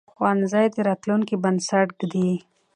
ښوونځی د راتلونکي بنسټ ږدي